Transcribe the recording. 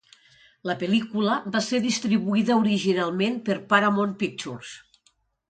La pel·lícula va ser distribuïda originalment per Paramount Pictures.